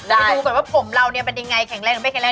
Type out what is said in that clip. ดูแบบว่าผมเราเป็นยังไงแข็งแรงหรือไม่แข็งแรง